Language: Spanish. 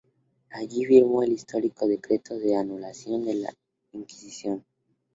Allí firmó el histórico decreto de anulación de la Inquisición.